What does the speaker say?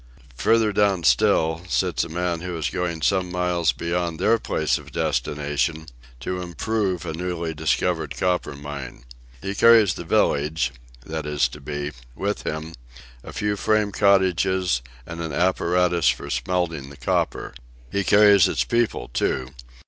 Further down still, sits a man who is going some miles beyond their place of destination, to 'improve' a newly discovered copper mine. He carries the village—that is to be—with him: a few frame cottages, and an apparatus for smelting the copper. He carries its people too.